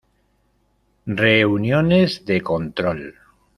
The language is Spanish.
Reuniones de control.